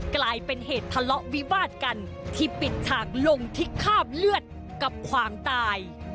กลายเป็นเหตุทะเลาะวิวาดกันที่ปิดฉากลงที่คาบเลือดกับความตาย